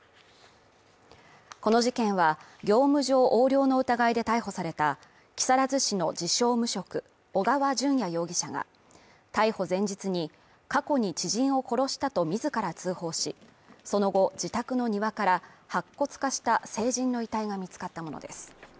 この事件は、業務上横領の疑いで逮捕された木更津市の自称・無職、小川順也容疑者が、逮捕前日に過去に人を殺したと自ら通報し、その後自宅の庭から白骨化した成人の遺体が見つかったものです。